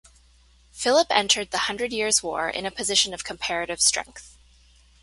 Philip entered the Hundred Years' War in a position of comparative strength.